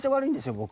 僕。